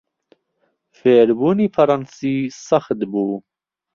فێربوونی فەڕەنسی سەخت بوو.